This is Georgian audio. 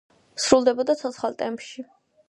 სრულდებოდა ცოცხალ ტემპში.